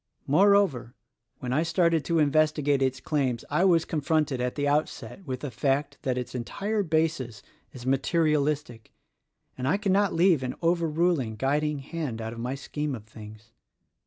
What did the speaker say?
Moreover, when I started to inves tigate its claims I was confronted at the outset with the fact that its entire basis is materialistic, and I cannot leave an overruling, guiding hand out of my scheme of things.